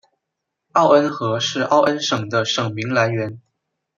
奥恩河是奥恩省的省名来源。